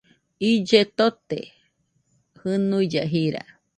Ille tote, jɨnuille jira